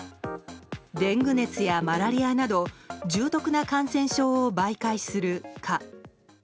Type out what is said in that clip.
デング熱やマラリアなど重篤な感染症を媒介する蚊。